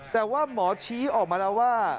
แต่ว่าหมอชี้ออกมาแล้วว่า